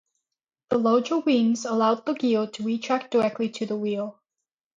The larger wings allowed the gear to retract directly to the rear.